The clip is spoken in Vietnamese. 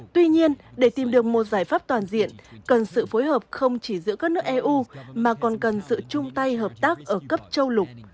tuy nhiên để tìm được một giải pháp toàn diện cần sự phối hợp không chỉ giữa các nước eu mà còn cần sự chung tay hợp tác ở cấp châu lục